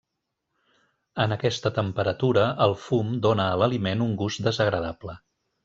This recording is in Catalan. En aquesta temperatura el fum dóna a l'aliment un gust desagradable.